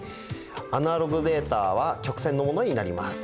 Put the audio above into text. アナログデータは曲線のものになります。